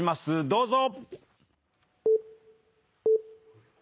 どうぞ！